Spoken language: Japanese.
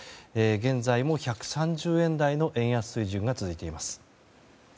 現在も１３０円台の円安水準が続いています。